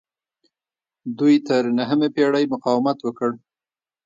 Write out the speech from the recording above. دوی تر نهمې پیړۍ مقاومت وکړ